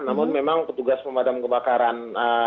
namun memang petugas pemadam kebakaran